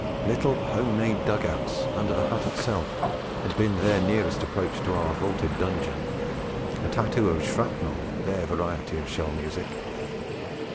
Little home made dug outs, under the hut itself, had been their nearest approach to our vaulted dungeon, a tattoo of shrapnel their variety of shell music.